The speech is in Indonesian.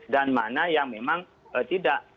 dan mana yang memang tidak